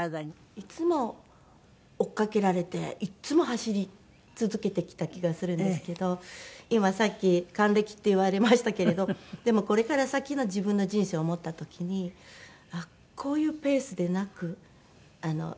いつも追いかけられていつも走り続けてきた気がするんですけど今さっき「還暦」って言われましたけれどでもこれから先の自分の人生を思った時にあっこういうペースでなく生きていきたいなって。